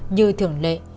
như thường lệ